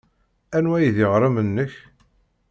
Anwa ay d iɣrem-nnek?